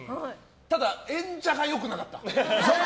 ただ、演者が良くなかった。